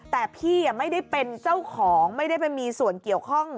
แต่พี่ไม่ได้เป็นเจ้าของไม่ได้ไปมีส่วนเกี่ยวข้อง